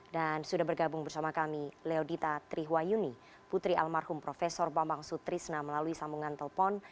dan sudah bergabung bersama kami leodita trihwayuni putri almarhum prof bambang sutrisna melalui sambungan telpon